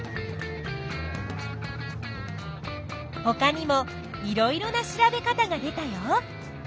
ほかにもいろいろな調べ方が出たよ。